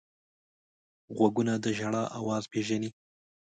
غوږونه د ژړا اواز پېژني